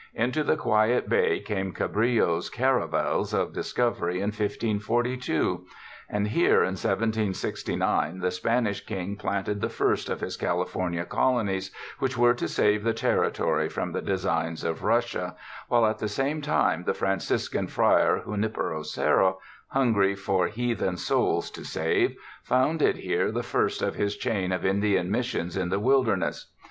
Into the quiet bay came Cabrillo's 'caravels of discovery, in 1542, and here in 1769 the Spanish King planted the first of his California colonies which were to save the territory from the designs of Russia, while at the same time the Franciscan friar, Junipero Serra, hungry for heathen souls to save, founded here the first of his chain of Indian Missions in the wilderness.